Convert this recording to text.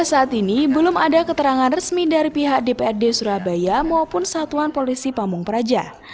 saat ini belum ada keterangan resmi dari pihak dprd surabaya maupun satuan polisi pamung praja